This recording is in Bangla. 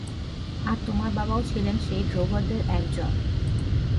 আর তোমার বাবাও ছিলেন সেই ড্রোভারদের একজন।